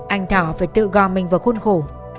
anh thọ phải tự gò mình vào khuôn khổ